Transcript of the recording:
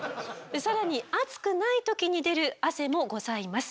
更に熱くない時に出る汗もございます。